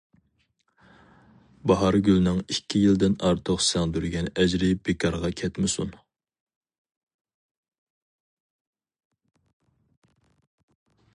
باھارگۈلنىڭ ئىككى يىلدىن ئارتۇق سىڭدۈرگەن ئەجرى بىكارغا كەتمىسۇن!